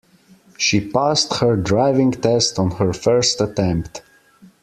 She passed her driving test on her first attempt.